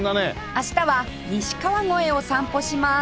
明日は西川越を散歩します